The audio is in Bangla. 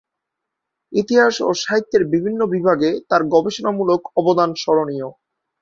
ইতিহাস ও সাহিত্যের বিভিন্ন বিভাগে তার গবেষণামূলক অবদান স্মরণীয়।